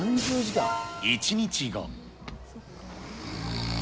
１日後。